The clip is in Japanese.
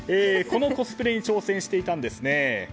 このコスプレに挑戦していたんですね。